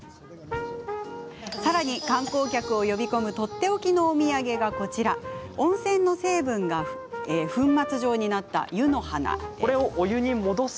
さらに、観光客を呼び込むとっておきのお土産がこちら温泉の成分が粉末状になった湯の花です。